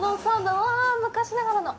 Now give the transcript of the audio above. わ、昔ながらの。